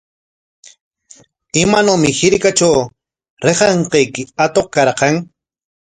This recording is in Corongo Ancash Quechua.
¿Imanawmi hirkatraw rikanqayki atuq karqan?